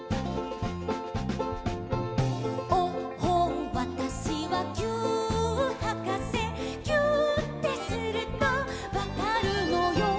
「おっほんわたしはぎゅーっはかせ」「ぎゅーってするとわかるのよ」